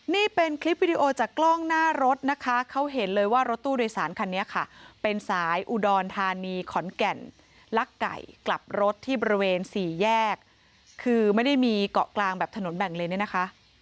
นี่เป็นคลิปวิดีโอจากกล้องหน้ารถนะคะเขาเห็นเลยว่ารถตู้โดยสารคันนี้ค่ะเป็นสายอุดรธานีขอนแก่นลักไก่กลับรถที่บริเวณสี่แยกคือไม่ได้มีเกาะกลางแบบถนนแบ่งเลยเนี่ยนะคะ